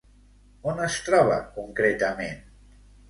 On es troba, concretament?